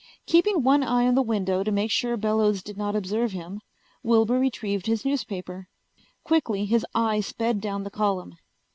Keeping one eye on the window to make sure Bellows did not observe him, Wilbur retrieved his newspaper. Quickly his eye sped down the column.